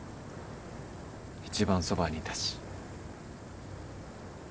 一番そばにいたし。